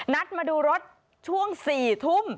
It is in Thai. นัดมาดูรถช่วง๔ทุ่ม